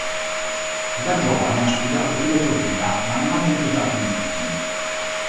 Da giovane ha studiato filosofia, ma non ha completato gli studi.